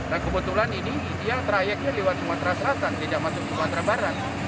nah kebetulan ini yang trayeknya lewat sumatera selatan tidak masuk sumatera barat